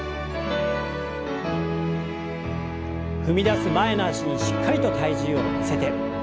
踏み出す前の脚にしっかりと体重を乗せて。